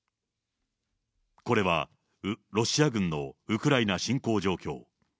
これはロシア軍のウクライナ侵攻状況。